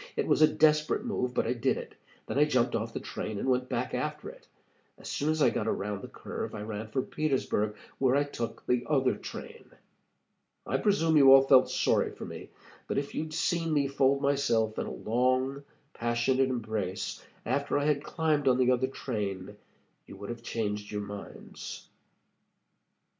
It was a desperate move, but I did it. Then I jumped off the train, and went back after it. As soon as I got around the curve I ran for Petersburg, where I took the other train. I presume you all felt sorry for me, but if you'd seen me fold myself in a long, passionate embrace after I had climbed on the other train, you would have changed your minds."